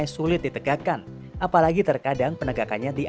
tingginya penduduk yang tinggal di kota jakarta yang diangkat juga termakan permukiman